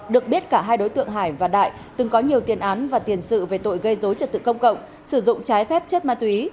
được biết cả hai đối tượng hải và đại từng có nhiều tiền án và tiền sự về tội gây dối trật tự công cộng sử dụng trái phép chất ma túy